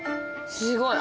すごい。